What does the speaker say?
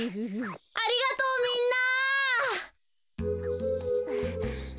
ありがとうみんな。